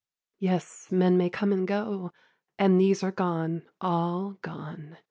Yes, men may come and go; and these are gone, All gone.